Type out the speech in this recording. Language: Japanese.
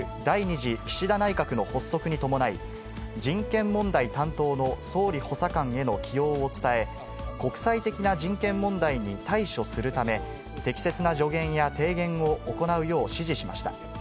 次岸田内閣の発足に伴い、人権問題担当の総理補佐官への起用を伝え、国際的な人権問題に対処するため、適切な助言や提言を行うよう指示しました。